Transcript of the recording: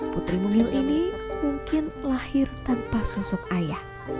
putri mungil ini mungkin lahir tanpa susuk air